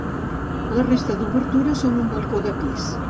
La resta d'obertures són un balcó de pis.